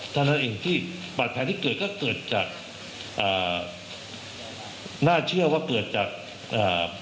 เท่านั้นเองที่บาดแผลที่เกิดก็เกิดจากอ่าน่าเชื่อว่าเกิดจากอ่า